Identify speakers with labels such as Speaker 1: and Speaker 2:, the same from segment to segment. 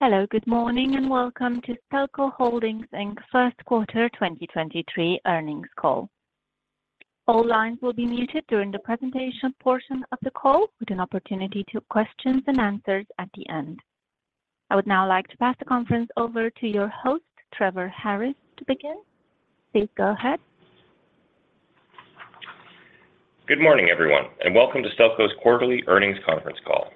Speaker 1: Hello, good morning, welcome to Stelco Holdings Inc's First Quarter 2023 earnings call. All lines will be muted during the presentation portion of the call with an opportunity to questions and answers at the end. I would now like to pass the conference over to your host, Trevor Harris, to begin. Please go ahead.
Speaker 2: Good morning, everyone. Welcome to Stelco's quarterly earnings conference call.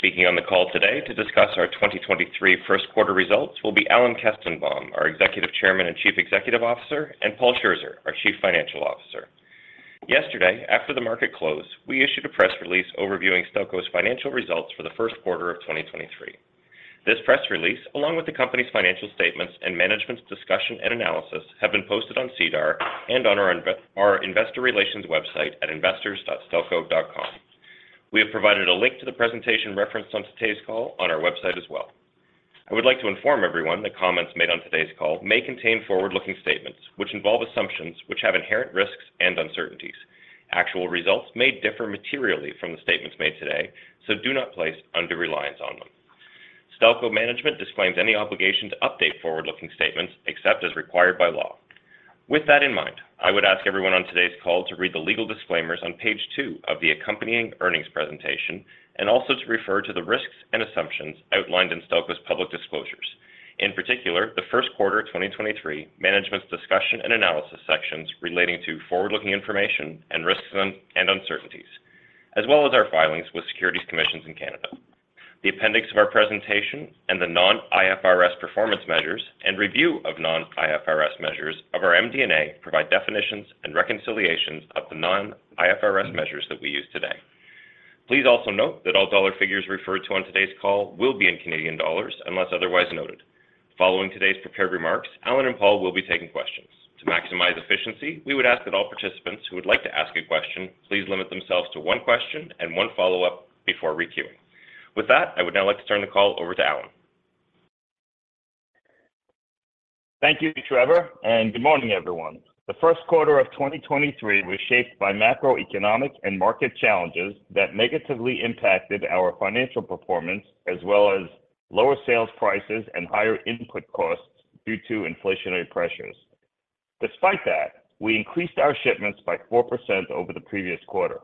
Speaker 2: Speaking on the call today to discuss our 2023 first quarter results will be Alan Kestenbaum, our Executive Chairman and Chief Executive Officer, and Paul Scherzer, our Chief Financial Officer. Yesterday, after the market closed, we issued a press release overviewing Stelco's financial results for the first quarter of 2023. This press release, along with the company's financial statements and Management's Discussion and Analysis, have been posted on SEDAR and on our investor relations website at investors.stelco.com. We have provided a link to the presentation referenced on today's call on our website as well. I would like to inform everyone that comments made on today's call may contain forward-looking statements which involve assumptions which have inherent risks and uncertainties. Actual results may differ materially from the statements made today. Do not place undue reliance on them. Stelco management disclaims any obligation to update forward-looking statements except as required by law. With that in mind, I would ask everyone on today's call to read the legal disclaimers on Page two of the accompanying earnings presentation and also to refer to the risks and assumptions outlined in Stelco's public disclosures. In particular, the first quarter of 2023, Management's Discussion and Analysis sections relating to forward-looking information and risks and uncertainties, as well as our filings with securities commissions in Canada. The appendix of our presentation and the non-IFRS performance measures and review of non-IFRS measures of our MD&A provide definitions and reconciliations of the non-IFRS measures that we use today. Please also note that all dollar figures referred to on today's call will be in Canadian dollars, unless otherwise noted. Following today's prepared remarks, Alan and Paul will be taking questions. To maximize efficiency, we would ask that all participants who would like to ask a question please limit themselves to one question and one follow-up before re-queuing. With that, I would now like to turn the call over to Alan.
Speaker 3: Thank you, Trevor, and good morning, everyone. The first quarter of 2023 was shaped by macroeconomic and market challenges that negatively impacted our financial performance, as well as lower sales prices and higher input costs due to inflationary pressures. Despite that, we increased our shipments by 4% over the previous quarter.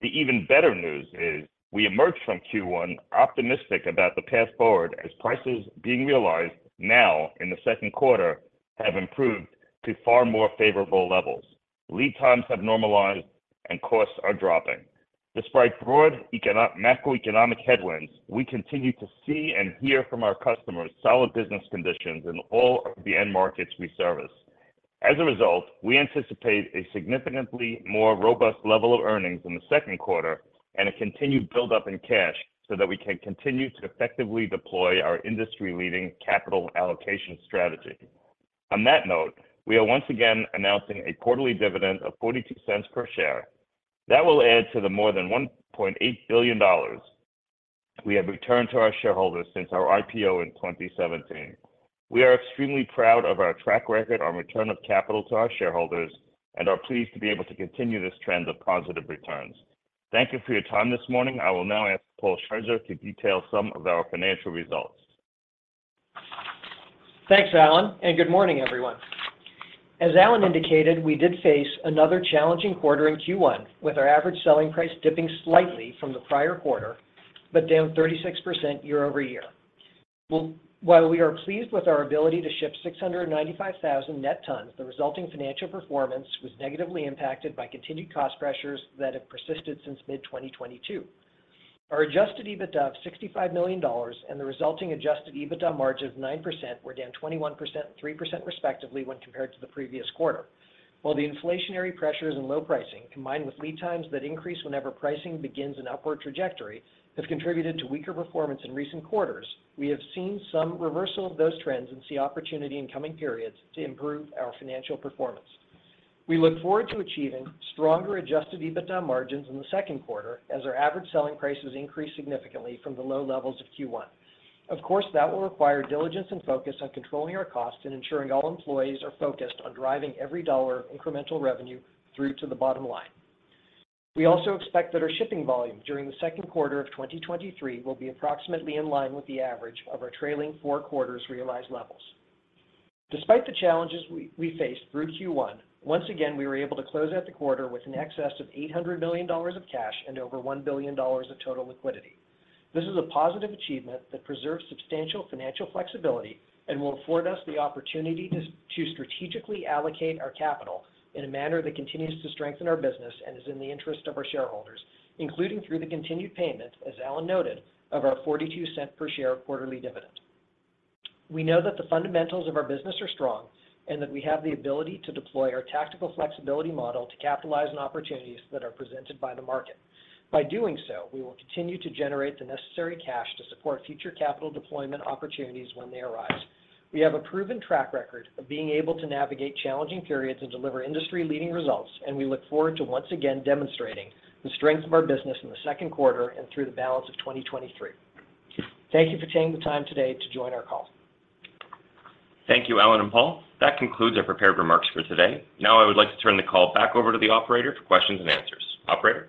Speaker 3: The even better news is we emerged from Q1 optimistic about the path forward as prices being realized now in the second quarter have improved to far more favorable levels. Lead times have normalized and costs are dropping. Despite broad macroeconomic headwinds, we continue to see and hear from our customers solid business conditions in all of the end markets we service. We anticipate a significantly more robust level of earnings in the second quarter and a continued buildup in cash so that we can continue to effectively deploy our industry-leading capital allocation strategy. We are once again announcing a quarterly dividend of 0.42 per share. That will add to the more than 1.8 billion dollars we have returned to our shareholders since our IPO in 2017. We are extremely proud of our track record on return of capital to our shareholders and are pleased to be able to continue this trend of positive returns. Thank you for your time this morning. I will now ask Paul Scherzer to detail some of our financial results.
Speaker 4: Thanks, Alan, and good morning, everyone. As Alan indicated, we did face another challenging quarter in Q1, with our average selling price dipping slightly from the prior quarter, but down 36% year-over-year. While we are pleased with our ability to ship 695,000 net tons, the resulting financial performance was negatively impacted by continued cost pressures that have persisted since mid-2022. Our Adjusted EBITDA of $65 million and the resulting Adjusted EBITDA margin of 9% were down 21% and 3% respectively when compared to the previous quarter. While the inflationary pressures and low pricing, combined with lead times that increase whenever pricing begins an upward trajectory, have contributed to weaker performance in recent quarters, we have seen some reversal of those trends and see opportunity in coming periods to improve our financial performance. We look forward to achieving stronger Adjusted EBITDA margins in the second quarter as our average selling prices increase significantly from the low levels of Q1. Of course, that will require diligence and focus on controlling our costs and ensuring all employees are focused on driving every dollar of incremental revenue through to the bottom line. We also expect that our shipping volume during the second quarter of 2023 will be approximately in line with the average of our trailing four quarters realized levels. Despite the challenges we faced through Q1, once again, we were able to close out the quarter with an excess of 800 million dollars of cash and over 1 billion dollars of total liquidity. This is a positive achievement that preserves substantial financial flexibility and will afford us the opportunity to strategically allocate our capital in a manner that continues to strengthen our business and is in the interest of our shareholders, including through the continued payment, as Alan noted, of our 0.42 per share quarterly dividend. We know that the fundamentals of our business are strong and that we have the ability to deploy our tactical flexibility model to capitalize on opportunities that are presented by the market. By doing so, we will continue to generate the necessary cash to support future capital deployment opportunities when they arise. We have a proven track record of being able to navigate challenging periods and deliver industry-leading results, and we look forward to once again demonstrating the strength of our business in the second quarter and through the balance of 2023. Thank you for taking the time today to join our call.
Speaker 2: Thank you, Alan and Paul. That concludes our prepared remarks for today. I would like to turn the call back over to the operator for questions and answers. Operator?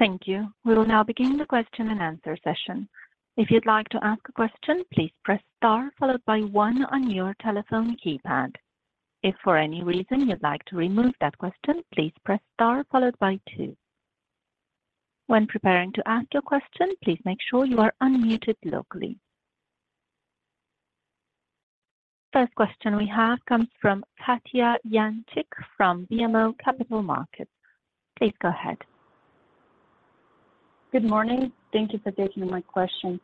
Speaker 1: Thank you. We will now begin the question and answer session. If you'd like to ask a question, please press star followed by one on your telephone keypad. If for any reason you'd like to remove that question, please press star followed by two. When preparing to ask your question, please make sure you are unmuted locally. First question we have comes from Katja Jancic from BMO Capital Markets. Please go ahead.
Speaker 5: Good morning. Thank you for taking my question.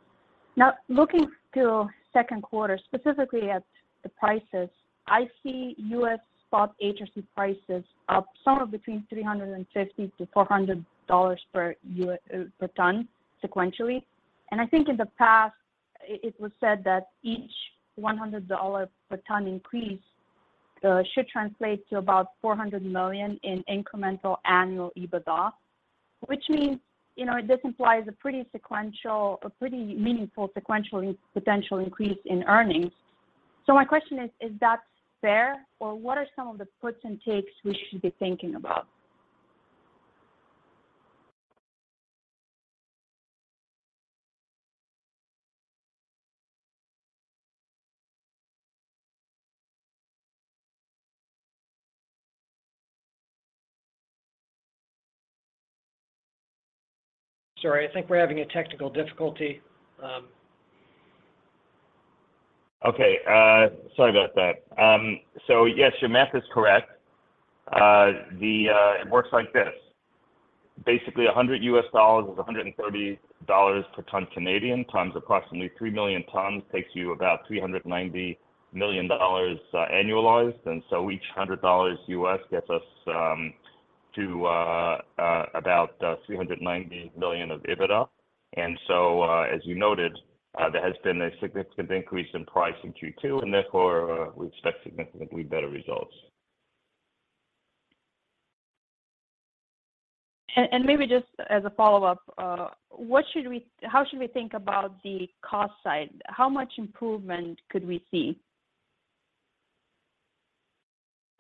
Speaker 5: Now, looking to second quarter, specifically at the prices, I see U.S. spot agency prices up somewhere between $350 to $400 per ton sequentially. I think in the past, it was said that each $100 per ton increase should translate to about $400 million in incremental annual EBITDA. Which means, you know, this implies a pretty meaningful sequential potential increase in earnings. My question is that fair? Or what are some of the puts and takes we should be thinking about?
Speaker 4: Sorry, I think we're having a technical difficulty.
Speaker 3: Okay, sorry about that. Yes, your math is correct. It works like this. Basically, $100 is 130 dollars per ton Canadian, times approximately three million tons takes you about 390 million dollars annualized. Each $100 gets us to about 390 million of Adjusted EBITDA. As you noted, there has been a significant increase in price in Q2, and therefore, we expect significantly better results.
Speaker 5: Maybe just as a follow-up, how should we think about the cost side? How much improvement could we see?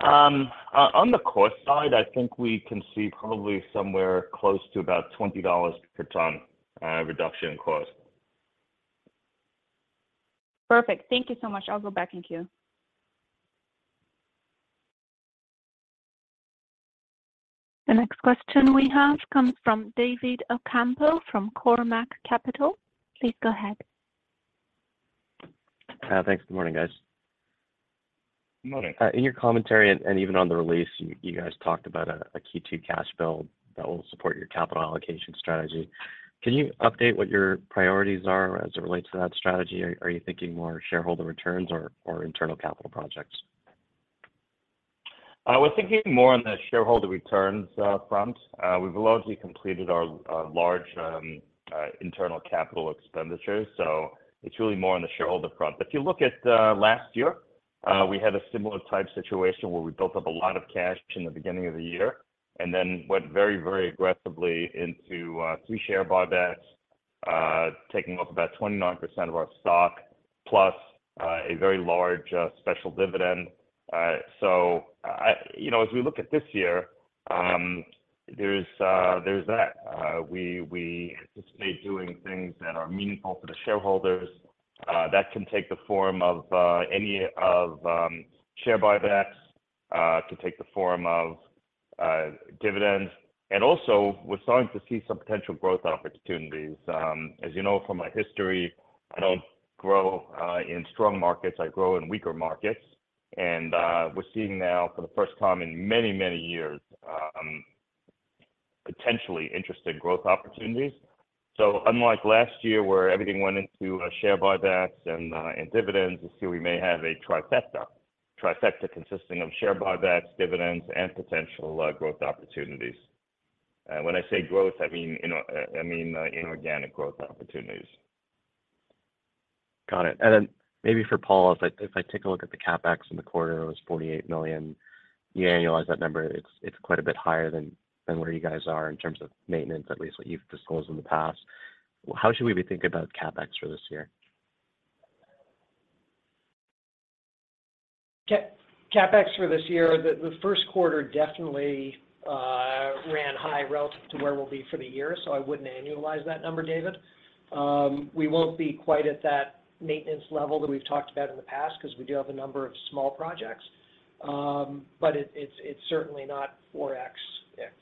Speaker 3: On the cost side, I think we can see probably somewhere close to about 20 dollars per ton reduction in cost.
Speaker 5: Perfect. Thank you so much. I'll go back in queue.
Speaker 1: The next question we have comes from David Ocampo from Cormark Securities. Please go ahead.
Speaker 6: Thanks. Good morning, guys.
Speaker 4: Good morning.
Speaker 6: In your commentary and even on the release, you guys talked about a Q2 cash build that will support your capital allocation strategy. Can you update what your priorities are as it relates to that strategy? Are you thinking more shareholder returns or internal capital projects?
Speaker 3: I was thinking more on the shareholder returns, front. We've largely completed our large, internal capital expenditures, so it's really more on the shareholder front. If you look at, last year, we had a similar type situation where we built up a lot of cash in the beginning of the year and then went very, very aggressively into three share buybacks, taking up about 29% of our stock, plus a very large, special dividend. You know, as we look at this year, there's that. We anticipate doing things that are meaningful for the shareholders. That can take the form of any of share buybacks, can take the form of dividends. Also, we're starting to see some potential growth opportunities. As you know from my history, I don't grow in strong markets, I grow in weaker markets. We're seeing now for the first time in many, many years, potentially interesting growth opportunities. Unlike last year, where everything went into share buybacks and dividends, this year we may have a trifecta. Trifecta consisting of share buybacks, dividends, and potential growth opportunities. When I say growth, I mean inorganic growth opportunities.
Speaker 6: Got it. Maybe for Paul, if I take a look at the CapEx in the quarter, it was 48 million. You annualize that number, it's quite a bit higher than where you guys are in terms of maintenance, at least what you've disclosed in the past. How should we be thinking about CapEx for this year?
Speaker 4: CapEx for this year, the first quarter definitely ran high relative to where we'll be for the year, so I wouldn't annualize that number, David. We won't be quite at that maintenance level that we've talked about in the past because we do have a number of small projects. But it's certainly not 4x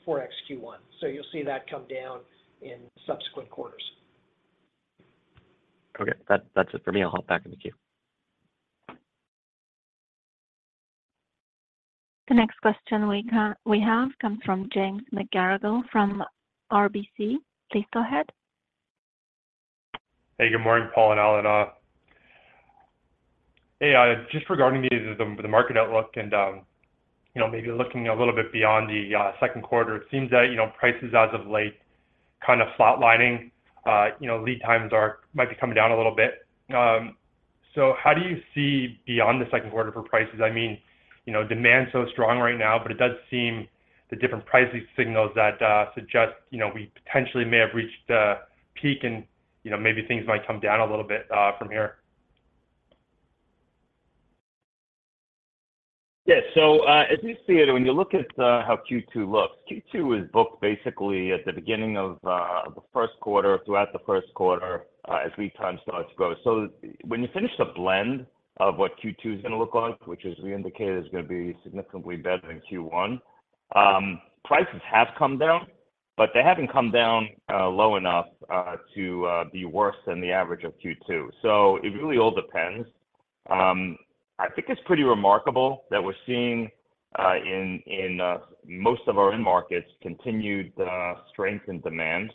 Speaker 4: Q1. You'll see that come down in subsequent quarters.
Speaker 6: Okay. That's it for me. I'll hop back in the queue.
Speaker 1: The next question we have comes from James McGarragle from RBC. Please go ahead.
Speaker 7: Hey, good morning, Paul and Alan. Just regarding the market outlook and, you know, maybe looking a little bit beyond the second quarter, it seems that, you know, prices as of late, kind of flatlining. You know, lead times might be coming down a little bit. How do you see beyond the second quarter for prices? I mean, you know, demand's so strong right now, but it does seem the different pricing signals that suggest, you know, we potentially may have reached a peak and, you know, maybe things might come down a little bit from here.
Speaker 3: Yes. As you see it, when you look at how Q2 looks, Q2 is booked basically at the beginning of the first quarter, throughout the first quarter, as lead time starts to grow. When you finish the blend of what Q2 is gonna look like, which as we indicated, is gonna be significantly better than Q1, prices have come down, but they haven't come down low enough to be worse than the average of Q2. It really all depends. I think it's pretty remarkable that we're seeing in most of our end markets continued strength in demand.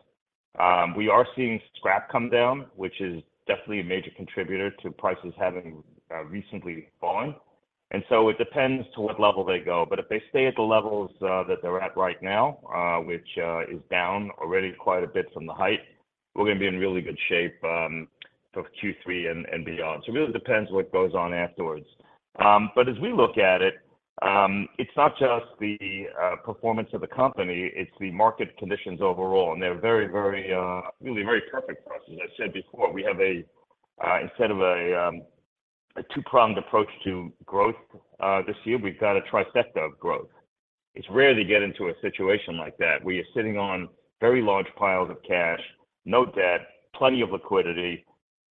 Speaker 3: We are seeing scrap come down, which is definitely a major contributor to prices having recently fallen. It depends to what level they go. If they stay at the levels that they're at right now, which is down already quite a bit from the height, we're gonna be in really good shape for Q3 and beyond. It really depends what goes on afterwards. As we look at it's not just the performance of the company, it's the market conditions overall, and they're very, very really very perfect for us. As I said before, we have a instead of a two-pronged approach to growth this year, we've got a trifecta of growth. It's rare to get into a situation like that where you're sitting on very large piles of cash, no debt, plenty of liquidity.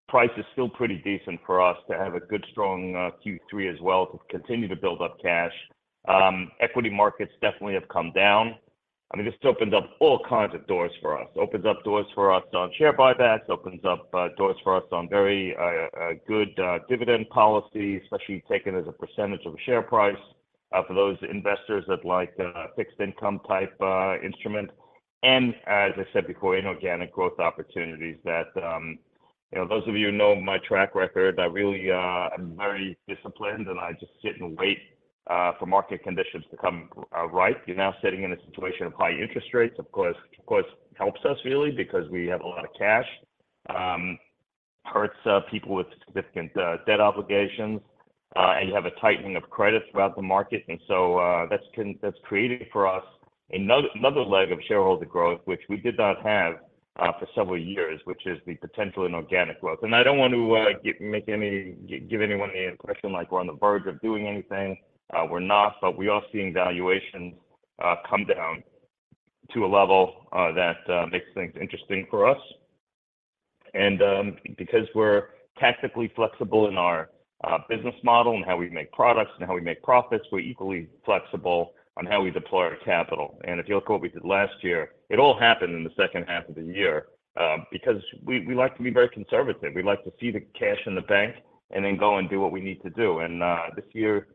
Speaker 3: Price is still pretty decent for us to have a good, strong Q3 as well, to continue to build up cash. Equity markets definitely have come down. I mean, it's opened up all kinds of doors for us. Opens up doors for us on share buybacks, opens up doors for us on very good dividend policy, especially taken as a percentage of a share price, for those investors that like a fixed income type instrument. As I said before, inorganic growth opportunities that, you know, those of you who know my track record, I really am very disciplined and I just sit and wait for market conditions to come ripe. You're now sitting in a situation of high interest rates, of course, helps us really because we have a lot of cash. Hurts people with significant debt obligations, and you have a tightening of credit throughout the market. That's created for us another leg of shareholder growth, which we did not have for several years, which is the potential inorganic growth. I don't want to give anyone the impression like we're on the verge of doing anything. We're not, but we are seeing valuations come down to a level that makes things interesting for us. Because we're tactically flexible in our business model and how we make products and how we make profits, we're equally flexible on how we deploy our capital. If you look what we did last year, it all happened in the second half of the year because we like to be very conservative. We like to see the cash in the bank and then go and do what we need to do. This year,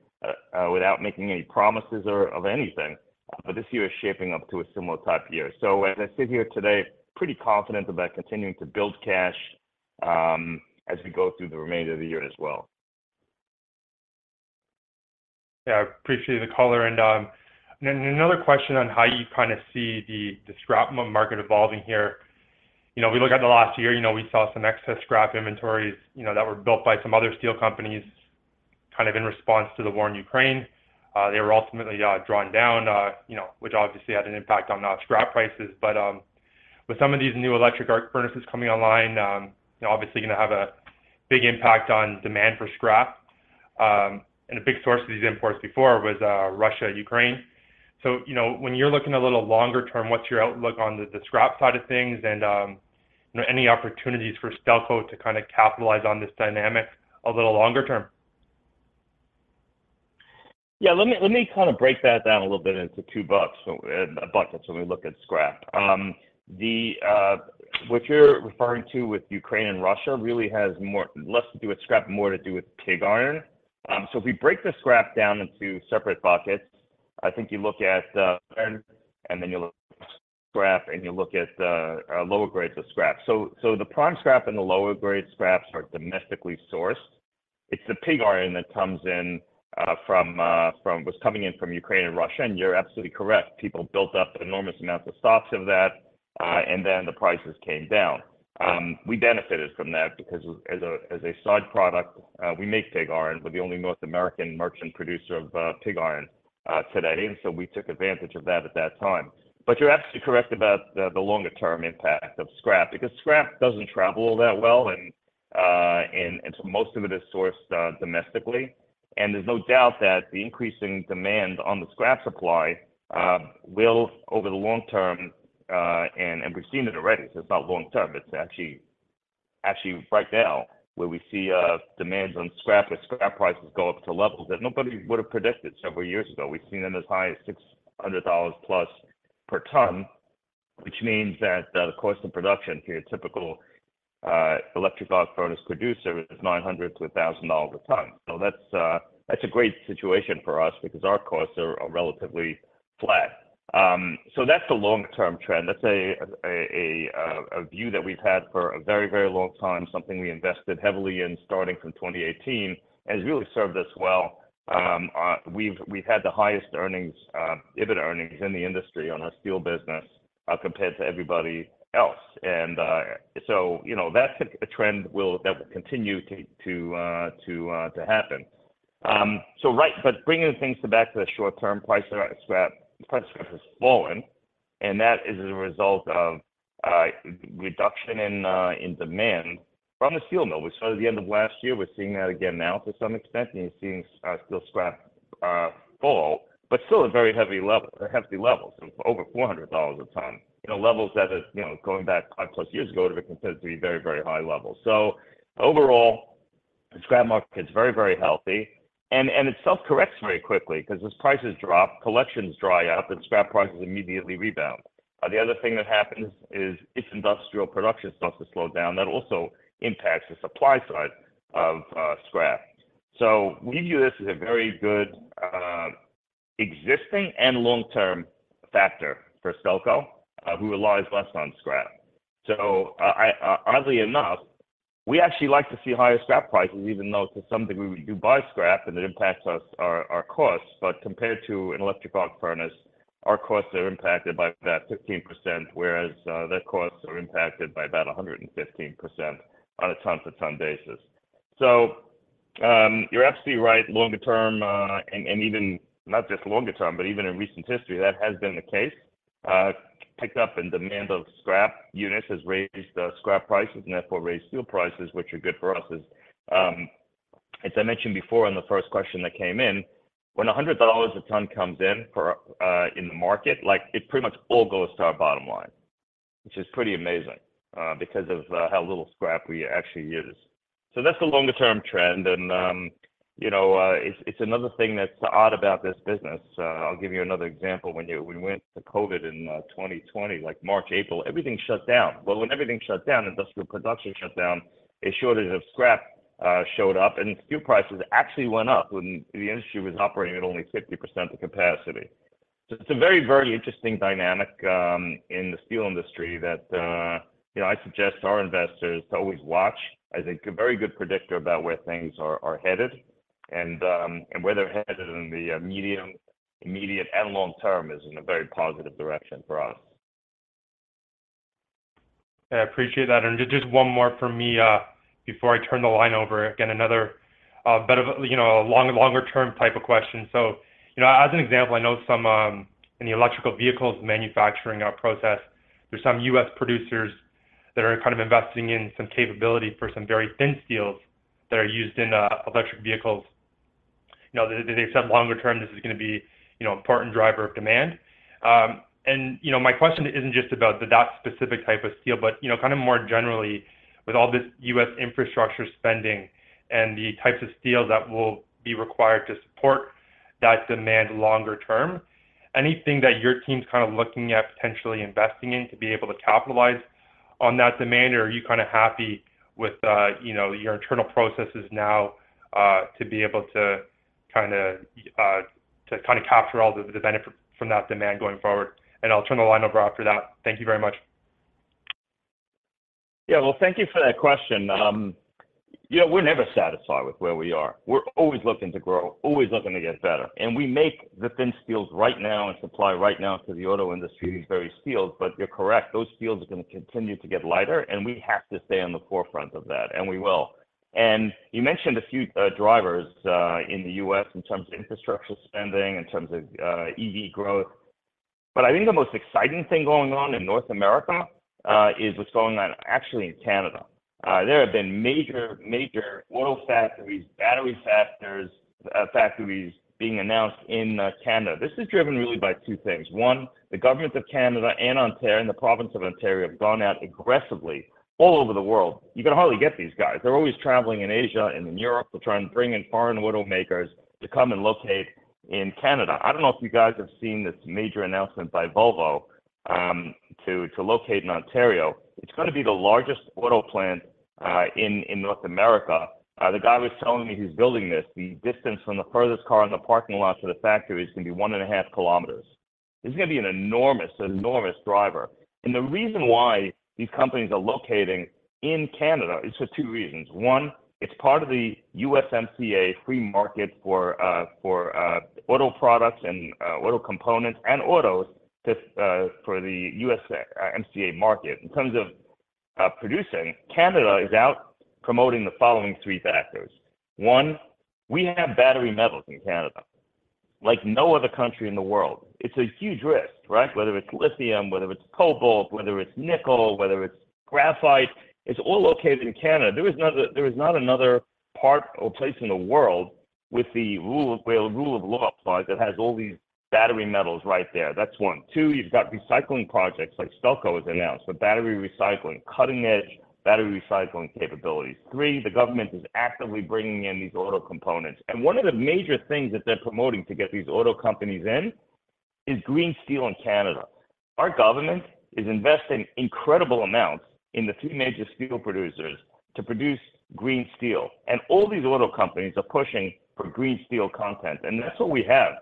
Speaker 3: without making any promises or of anything, but this year is shaping up to a similar type year. As I sit here today, pretty confident about continuing to build cash, as we go through the remainder of the year as well.
Speaker 7: Yeah, I appreciate the color. Then another question on how you kind of see the scrap market evolving here. You know, we look at the last year, you know, we saw some excess scrap inventories, you know, that were built by some other steel companies, kind of in response to the war in Ukraine. They were ultimately drawn down, you know, which obviously had an impact on scrap prices. With some of these new electric arc furnaces coming online, you know, obviously gonna have a big impact on demand for scrap. A big source of these imports before was Russia and Ukraine. you know, when you're looking a little longer term, what's your outlook on the scrap side of things and, you know, any opportunities for Stelco to kind of capitalize on this dynamic a little longer term?
Speaker 3: Let me kind of break that down a little bit into two bucks, buckets when we look at scrap. The what you're referring to with Ukraine and Russia really has less to do with scrap, more to do with pig iron. If we break the scrap down into separate buckets, I think you look at iron and then you look at scrap, and you look at lower grades of scrap. The prime scrap and the lower grade scraps are domestically sourced. It's the pig iron that comes in from Ukraine and Russia. You're absolutely correct, people built up enormous amounts of stocks of that, and then the prices came down. We benefited from that because as a, as a side product, we make pig iron. We're the only North American merchant producer of pig iron today. So we took advantage of that at that time. You're absolutely correct about the longer term impact of scrap, because scrap doesn't travel all that well. So most of it is sourced domestically. There's no doubt that the increasing demand on the scrap supply will, over the long term, and we're seeing it already, so it's not long term. It's actually right now, where we see demands on scrap and scrap prices go up to levels that nobody would have predicted several years ago. We've seen them as high as 600+ dollars per ton, which means that the cost of production for your typical electric arc furnace producer is 900-1,000 dollars a ton. That's a great situation for us because our costs are relatively flat. That's the long term trend. That's a view that we've had for a very, very long time, something we invested heavily in starting from 2018, and has really served us well. We've had the highest earnings, EBIT earnings in the industry on our steel business compared to everybody else. You know, that's a trend that will continue to happen. Right. Bringing things back to the short term, price of scrap has fallen. That is a result of reduction in demand from the steel mill. We saw it at the end of last year, we're seeing that again now to some extent, you're seeing steel scrap fall, but still at very heavy levels, over $400 a ton. You know, levels that is, you know, going back five-plus years ago, it would be considered to be very, very high levels. Overall, the scrap market is very, very healthy and it self-corrects very quickly because as prices drop, collections dry out and scrap prices immediately rebound. The other thing that happens is if industrial production starts to slow down, that also impacts the supply side of scrap. We view this as a very good existing and long-term factor for Stelco, who relies less on scrap. Oddly enough, we actually like to see higher scrap prices even though it's something we do buy scrap and it impacts us our costs. Compared to an electric arc furnace, our costs are impacted by about 15%, whereas their costs are impacted by about 115% on a ton-for-ton basis. Right, longer term, and even not just longer term, but even in recent history, that has been the case. Picked up in demand of scrap units has raised scrap prices and therefore raised steel prices, which are good for us as I mentioned before on the first question that came in. When $100 a ton comes in for in the market, like it pretty much all goes to our bottom line, which is pretty amazing, because of how little scrap we actually use. That's the longer term trend and, you know, it's another thing that's odd about this business. I'll give you another example. When we went to COVID in 2020, like March, April, everything shut down. Well, when everything shut down, industrial production shut down, a shortage of scrap showed up, and steel prices actually went up when the industry was operating at only 50% of capacity. It's a very, very interesting dynamic in the steel industry that, you know, I suggest our investors to always watch as a very good predictor about where things are headed and where they're headed in the medium, immediate, and long term is in a very positive direction for us.
Speaker 7: I appreciate that. Just one more from me, before I turn the line over. Again, another bit of a, you know, a longer term type of question. You know, as an example, I know some, in the electric vehicles manufacturing, process, there's some U.S. producers that are kind of investing in some capability for some very thin steels that are used in electric vehicles. You know, they've said longer term, this is gonna be, you know, an important driver of demand. You know, my question isn't just about that specific type of steel, but, you know, kind of more generally with all this U.S. infrastructure spending and the types of steel that will be required to support that demand longer term, anything that your team's kind of looking at potentially investing in to be able to capitalize on that demand? Or are you kinda happy with, you know, your internal processes now, to be able to kinda capture all the benefit from that demand going forward? I'll turn the line over after that. Thank you very much.
Speaker 3: Yeah. Well, thank you for that question. You know, we're never satisfied with where we are. We're always looking to grow, always looking to get better, and we make the thin steels right now and supply right now to the auto industry, these very steels. You're correct, those steels are gonna continue to get lighter, and we have to stay on the forefront of that, and we will. You mentioned a few drivers in the U.S. in terms of infrastructure spending, in terms of EV growth. I think the most exciting thing going on in North America is what's going on actually in Canada. There have been major auto factories, battery factors, factories being announced in Canada. This is driven really by two things. One, the governments of Canada and Ontario and the province of Ontario have gone out aggressively all over the world. You can hardly get these guys. They're always traveling in Asia and in Europe. They're trying to bring in foreign automakers to come and locate in Canada. I don't know if you guys have seen this major announcement by Volvo to locate in Ontario. It's gonna be the largest auto plant in North America. The guy was telling me who's building this, the distance from the furthest car in the parking lot to the factory is gonna be 1.5 km. This is gonna be an enormous driver. The reason why these companies are locating in Canada is for two reasons. One, it's part of the USMCA free market for auto products and auto components and autos to for the USMCA market. In terms of producing, Canada is out promoting the following three factors. One, we have battery metals in Canada like no other country in the world. It's a huge risk, right? Whether it's lithium, whether it's cobalt, whether it's nickel, whether it's graphite, it's all located in Canada. There is not another part or place in the world with the rule of law applies that has all these battery metals right there. That's one. Two, you've got recycling projects like Stelco has announced, the battery recycling, cutting-edge battery recycling capabilities. Three, the government is actively bringing in these auto components. One of the major things that they're promoting to get these auto companies in is green steel in Canada. Our government is investing incredible amounts in the three major steel producers to produce green steel. All these auto companies are pushing for green steel content. That's what we have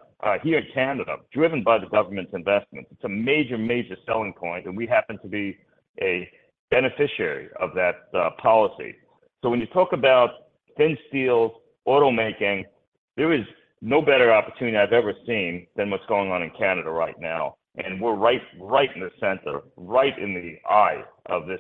Speaker 3: here in Canada, driven by the government's investment. It's a major selling point, and we happen to be a beneficiary of that policy. When you talk about thin steels, auto making, there is no better opportunity I've ever seen than what's going on in Canada right now. We're right in the center, right in the eye of this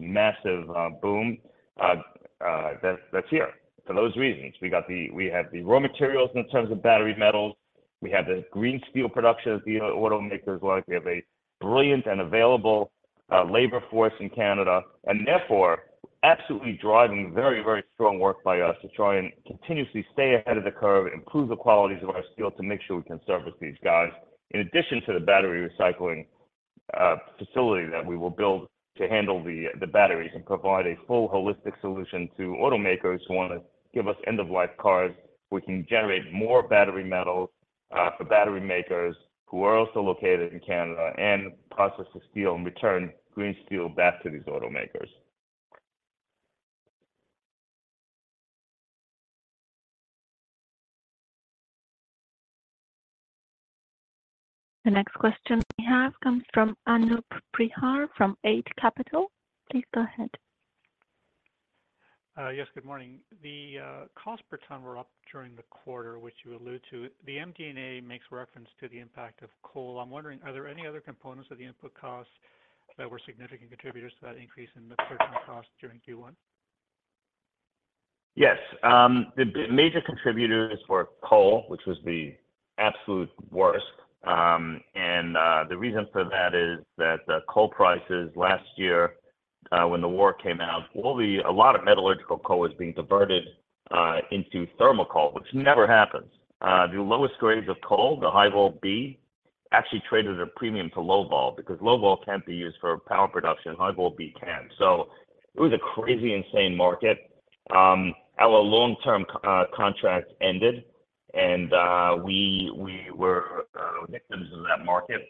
Speaker 3: massive boom that's here for those reasons. We have the raw materials in terms of battery metals. We have the green steel production of the automakers work. We have a brilliant and available labor force in Canada, therefore absolutely driving very, very strong work by us to try and continuously stay ahead of the curve, improve the qualities of our steel to make sure we can service these guys. In addition to the battery recycling facility that we will build to handle the batteries and provide a full holistic solution to automakers who wanna give us end-of-life cars. We can generate more battery metal for battery makers who are also located in Canada and process the steel and return green steel back to these automakers.
Speaker 1: The next question we have comes from Anoop Prihar from Eight Capital. Please go ahead.
Speaker 8: Yes, good morning. The cost per ton were up during the quarter, which you allude to. The MD&A makes reference to the impact of coal. I'm wondering, are there any other components of the input costs that were significant contributors to that increase in the purchase cost during Q1?
Speaker 3: Yes. The major contributors were coal, which was the absolute worst. The reason for that is that the coal prices last year, when the war came out, a lot of metallurgical coal was being diverted into thermal coal, which never happens. The lowest grades of coal, the High-Vol B, actually traded a premium to Low-Vol because Low-Vol can't be used for power production, High-Vol B can. It was a crazy, insane market. Our long-term contract ended, we were victims of that market.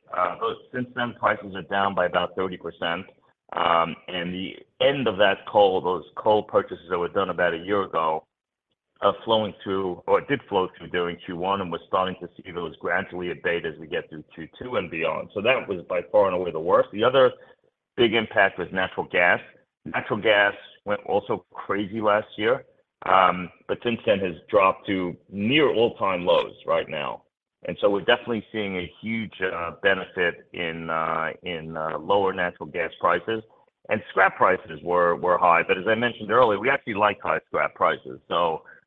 Speaker 3: Since then, prices are down by about 30%. The end of that coal, those coal purchases that were done about a year ago, are flowing through or did flow through during Q1, and we're starting to see those gradually abate as we get through Q2 and beyond. That was by far and away the worst. The other big impact was natural gas. Natural gas went also crazy last year, but since then has dropped to near all-time lows right now. We're definitely seeing a huge benefit in lower natural gas prices. Scrap prices were high, but as I mentioned earlier, we actually like high scrap prices.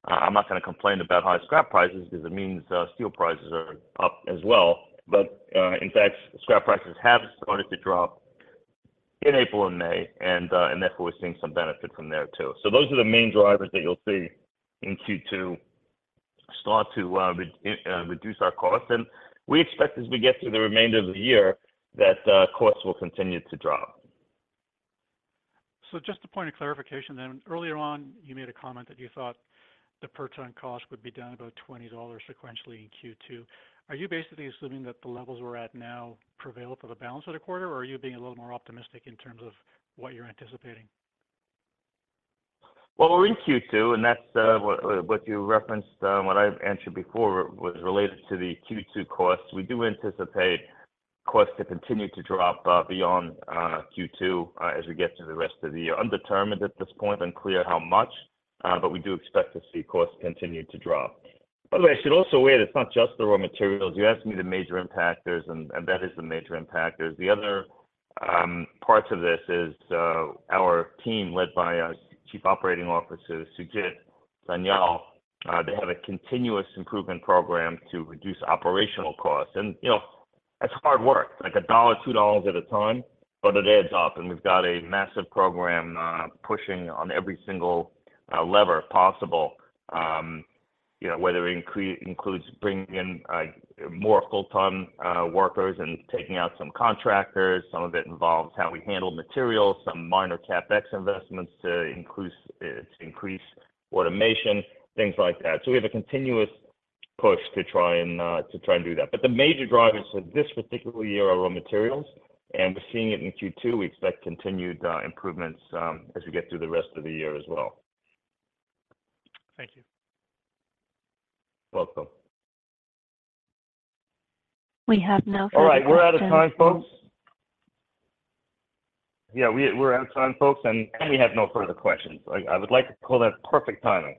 Speaker 3: I'm not gonna complain about high scrap prices because it means steel prices are up as well. In fact, scrap prices have started to drop in April and May, and therefore we're seeing some benefit from there, too. Those are the main drivers that you'll see in Q2 start to reduce our costs. We expect as we get through the remainder of the year, that costs will continue to drop.
Speaker 8: Just a point of clarification then. Earlier on, you made a comment that you thought the per ton cost would be down about 20 dollars sequentially in Q2. Are you basically assuming that the levels we're at now prevail for the balance of the quarter, or are you being a little more optimistic in terms of what you're anticipating?
Speaker 3: We're in Q2, that's what you referenced. What I've answered before was related to the Q2 costs. We do anticipate costs to continue to drop beyond Q2 as we get through the rest of the year. Undetermined at this point, unclear how much, we do expect to see costs continue to drop. By the way, I should also add, it's not just the raw materials. You asked me the major impact there is, and that is the major impact. There's the other parts of this is our team, led by our Chief Operating Officer, Sujit Sanyal, they have a continuous improvement program to reduce operational costs. you know, that's hard work, like CAD 1, dollar 2 at a time, but it adds up, and we've got a massive program, pushing on every single lever possible, you know, whether it includes bringing in more full-time workers and taking out some contractors. Some of it involves how we handle materials, some minor CapEx investments to increase automation, things like that. We have a continuous push to try and do that. The major drivers for this particular year are raw materials, and we're seeing it in Q2. We expect continued improvements as we get through the rest of the year as well.
Speaker 8: Thank you.
Speaker 3: You're welcome.
Speaker 1: We have no further questions.
Speaker 3: All right. We're out of time, folks. Yeah, we're out of time, folks, and we have no further questions. I would like to call that perfect timing.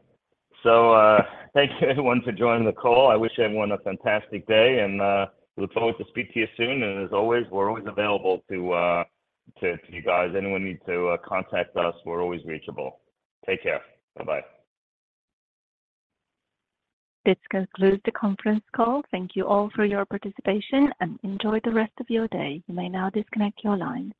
Speaker 3: Thank you everyone for joining the call. I wish everyone a fantastic day, and we look forward to speak to you soon. As always, we're always available to you guys. Anyone need to contact us, we're always reachable. Take care. Bye-bye.
Speaker 1: This concludes the conference call. Thank you all for your participation and enjoy the rest of your day. You may now disconnect your line.